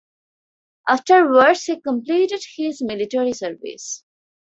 Afterwards he completed his military service.